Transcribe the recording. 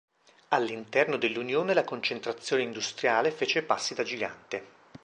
All'interno dell'Unione la concentrazione industriale fece passi da gigante.